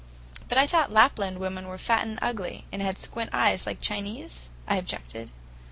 "But I thought Lapland women were fat and ugly, and had squint eyes, like Chinese?" I objected.